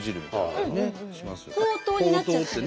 「ほうとう」になっちゃって。